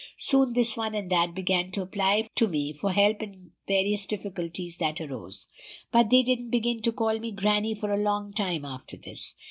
Soon this one and that began to apply to me for help in various difficulties that arose. But they didn't begin to call me grannie for a long time after this.